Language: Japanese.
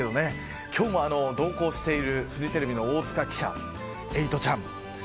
今日も同行しているフジテレビの大塚記者